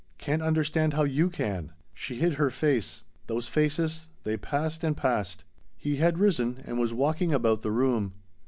_ Can't understand how you can." She hid her face. Those faces they passed and passed. He had risen and was walking about the room.